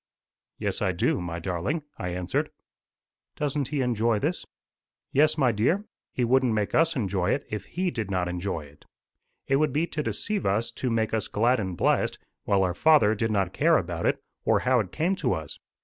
"Yes, I do, my darling," I answered. "Doesn't he enjoy this?" "Yes, my dear. He wouldn't make us enjoy it if he did not enjoy it. It would be to deceive us to make us glad and blessed, while our Father did not care about it, or how it came to us.